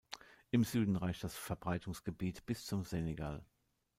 Im Süden reicht das Verbreitungsgebiet bis zum Senegal.